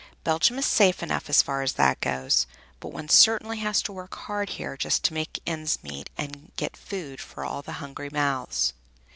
"Belgium is safe enough so far as that goes, but one certainly has to work hard here just to make ends meet and get food for all the hungry mouths!